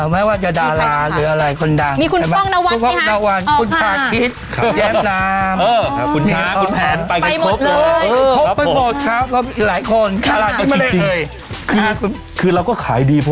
ไม่ว่าจะดาราหรืออะไร